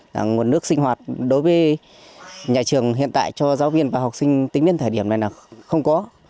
là nguồn nước sinh hoạt đối với nhà trường hiện tại cho giáo viên và học sinh tính đến thời điểm này là không có